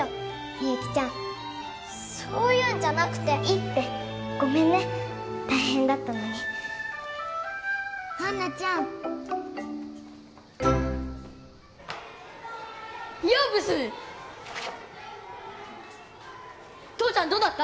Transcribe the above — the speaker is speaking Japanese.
みゆきちゃんそういうんじゃなくていいってごめんね大変だったのにアンナちゃんようブス父ちゃんどうだった？